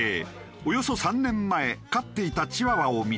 およそ３年前飼っていたチワワを看取り